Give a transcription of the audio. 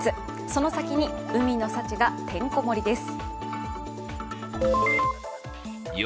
その先に海の幸がてんこ盛りです。